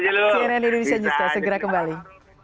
sian ndududisya jiska segera kembali